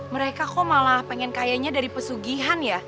mereka kok malah pengen kayaknya dari pesugihan ya